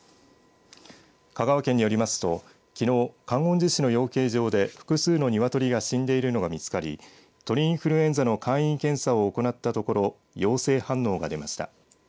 香川県によりますときのう、観音寺市の養鶏場で複数の鶏が死んでいるのが見つかり鳥インフルエンザの簡易検査を行ったところ陽性反応が出ました。